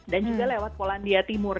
dan juga lewat polandia timur